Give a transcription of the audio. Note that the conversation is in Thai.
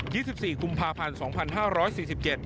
ยี่สิบสี่คุมภาพันธ์สองพันห้าร้อยสี่สิบ